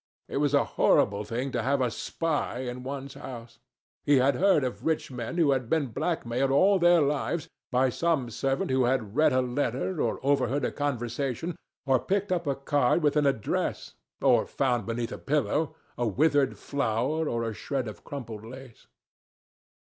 It was a horrible thing to have a spy in one's house. He had heard of rich men who had been blackmailed all their lives by some servant who had read a letter, or overheard a conversation, or picked up a card with an address, or found beneath a pillow a withered flower or a shred of crumpled lace.